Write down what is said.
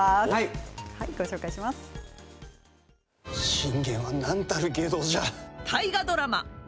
信玄はなんたる外道じゃ。